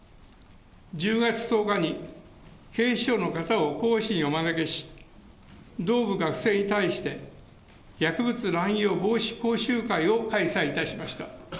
１０月１０日に警視庁の方を講師にお招きし、同部学生に対して、薬物乱用防止講習会を開催いたしました。